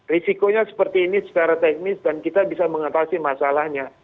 risikonya seperti ini secara teknis dan kita bisa mengatasi masalahnya